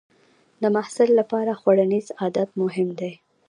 د محصل لپاره خوړنیز عادت مهم دی.